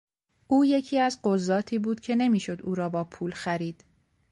او یکی از قضاتی بود که نمیشد او را با پول خرید.